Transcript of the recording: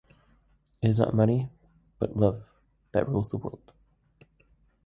It is not money but love that rules the world.